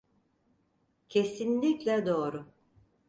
Kesinlikle doğru!